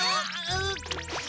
うっ！